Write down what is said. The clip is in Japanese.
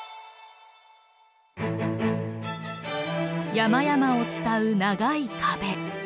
山々を伝う長い壁。